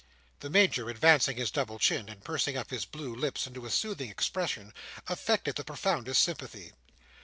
The Major advancing his double chin, and pursing up his blue lips into a soothing expression, affected the profoundest sympathy.